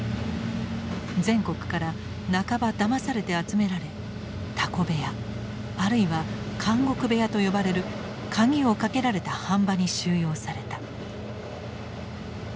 全国から半ばだまされて集められ「タコ部屋」あるいは「監獄部屋」と呼ばれる鍵をかけられた飯場に収容された。